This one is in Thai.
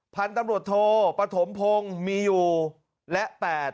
๗ผลตำรวจโทษปฐมพงษ์มียูและ